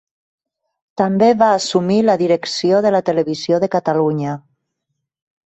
També va assumir la direcció de la Televisió de Catalunya.